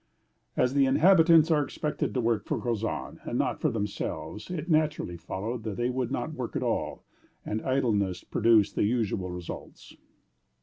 As the inhabitants were expected to work for Crozat, and not for themselves, it naturally followed that they would not work at all; and idleness produced the usual results.